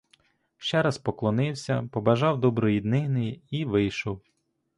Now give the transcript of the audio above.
Ще раз поклонився, побажав доброї днини і вийшов.